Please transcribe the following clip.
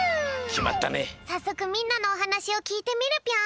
さっそくみんなのおはなしをきいてみるぴょん！